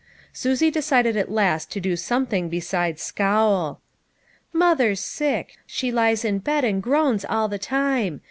Susie decided at last to do something besides scowl. " Mother's sick. She lies in bed and groans all the time.